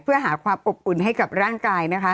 เพื่อหาความอบอุ่นให้กับร่างกายนะคะ